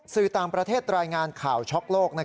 สื่อต่างประเทศรายงานข่าวช็อกโลก